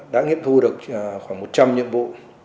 đã nghiệm thu được khoảng một trăm linh nhiệm vụ